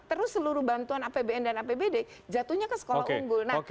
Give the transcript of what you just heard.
terus seluruh bantuan apbn dan apbd jatuhnya ke sekolah unggul